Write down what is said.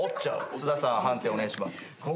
菅田さん判定お願いします。